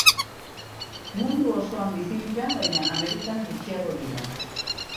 Mundu osoan bizi dira, baina Amerikan gutxiago dira.